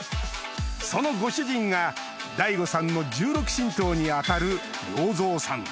そのご主人がＤＡＩＧＯさんの１６親等に当たる洋三さん